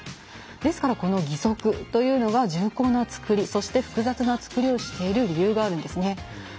ですから、この義足というのは重厚な作りそして、複雑な作りをしている理由があるんですね。